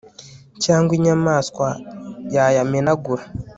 cyangwa inyamaswa yayamenagura